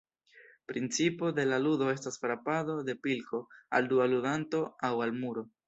Principo de la ludo estas frapado de pilko al dua ludanto aŭ al muro.